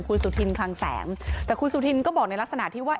คุณสุธินคลังแสงแต่คุณสุธินก็บอกในลักษณะที่ว่า